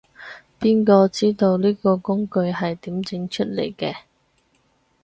邊個知道，呢個工具係點整出嚟嘅